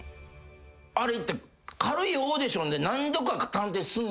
あれって軽いオーディションで何度か探偵すんねんな？